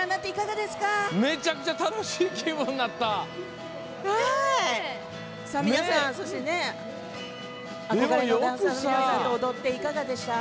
めちゃくちゃ楽しい気分になった。